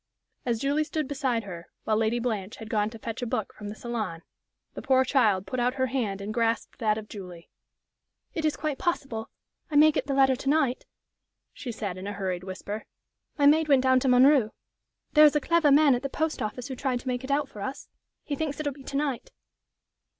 As Julie stood beside her, while Lady Blanche had gone to fetch a book from the salon, the poor child put out her hand and grasped that of Julie. "It is quite possible I may get the letter to night," she said, in a hurried whisper. "My maid went down to Montreux there is a clever man at the post office who tried to make it out for us. He thinks it'll be to night."